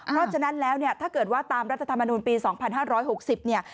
เพราะฉะนั้นแล้วถ้าเกิดว่าตามรัฐธรรมนุมปี๒๕๖๐